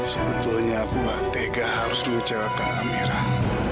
sebetulnya aku tak tega harus mengecewakan amirah